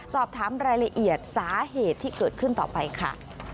สอบถามรายละเอียดสาเหตุที่เกิดขึ้นต่อไปค่ะ